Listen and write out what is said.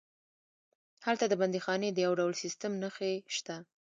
هلته د بندیخانې د یو ډول سیسټم نښې شته.